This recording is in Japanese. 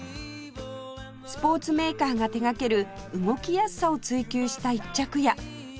スポーツメーカーが手掛ける動きやすさを追求した１着や